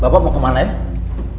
pak mau kemana ya